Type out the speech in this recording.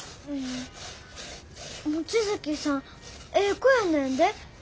望月さんええ子やねんで。